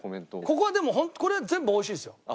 ここはでもこれは全部おいしいですよ